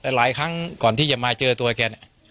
แต่หลายครั้งก่อนที่จะมาเจอตัวแกเนี่ย